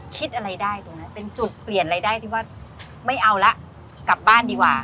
คิดอะไรได้ตรงนั้นเป็นจุดเปลี่ยนรายได้ที่ว่าไม่เอาละกลับบ้านดีกว่า